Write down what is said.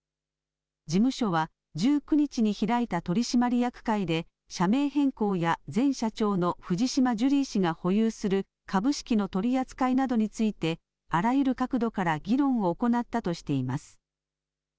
事務所は１９日に開いた取締役会で社名変更や前社長の藤島ジュリー氏が保有する株式の取り扱いなどについてあらゆる角度から議論を行ったとしています。